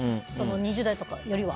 ２０代の時よりは。